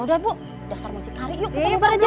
yaudah ibu dasar mau cikari yuk kita jual aja